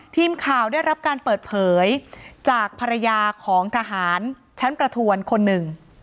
ทีมข่าวได้รับการเปิดเผยจากภรรยาของทหารชั้นประทวนคนหนึ่ง